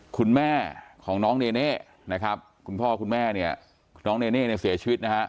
คุณแม่ของน้องเน่เน่คุณพ่อคุณแม่เน่เน่เสียชีวิต